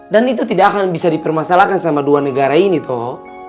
dan itu tidak akan bisa dipermasalahkan sama dua negara ini toh